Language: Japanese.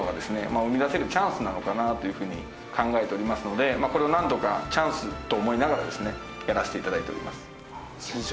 生み出せるチャンスなのかなというふうに考えておりますのでこれをなんとかチャンスと思いながらですねやらせて頂いております。